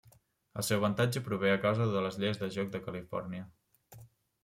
El seu avantatge prové a causa de les lleis de joc de Califòrnia.